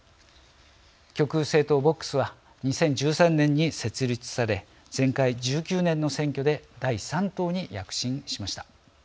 極右政党ＶＯＸは２０１３年に設立され前回１９年の選挙で第３党に躍進しました。